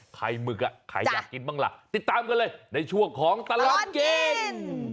หมึกใครอยากกินบ้างล่ะติดตามกันเลยในช่วงของตลอดกิน